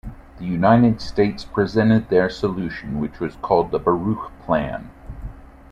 The United States presented their solution, which was called the Baruch Plan.